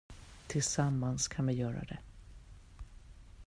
Tillsammans kan vi göra det.